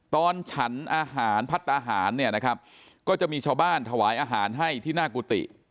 ตอนฉันอาหารพัฒนาหารเนี่ยนะครับก็จะมีชาวบ้านถวายอาหารให้ที่หน้ากุฏิ